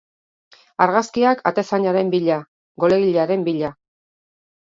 Argazkiak atezainaren bila, golegilearen bila.